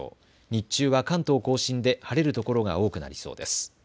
日中は関東甲信で晴れる所が多くなりそうです。